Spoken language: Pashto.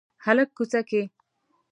هلک کوڅه کې